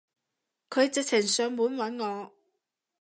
佢直情上門搵我